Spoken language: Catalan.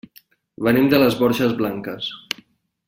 Venim de les Borges Blanques.